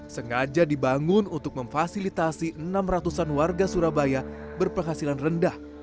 sengaja dibangun untuk memfasilitasi enam ratusan warga surabaya berpenghasilan rendah